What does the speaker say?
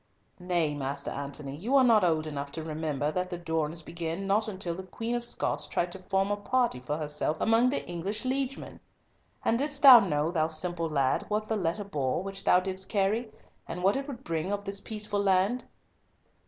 "Nay, Master Antony, you are not old enough to remember that the durance began not until the Queen of Scots tried to form a party for herself among the English liegemen. And didst thou know, thou simple lad, what the letter bore, which thou didst carry, and what it would bring on this peaceful land?"